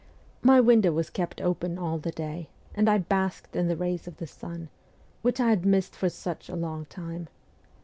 My window was kept open all the day, and I basked in the rays of the sun, which I had missed for such a long time.